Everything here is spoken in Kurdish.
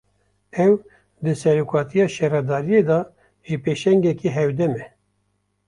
Ew, di serokatiya şaredariyê de jî pêşengekî hevdem e